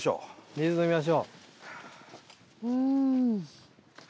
水飲みましょう。